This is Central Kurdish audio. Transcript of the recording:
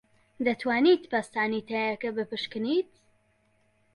دەتوانیت پەستانی تایەکە بپشکنیت؟